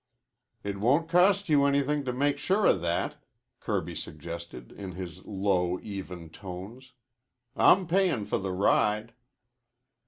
"It won't cost you anything to make sure of that," Kirby suggested in his low, even tones. "I'm payin' for the ride."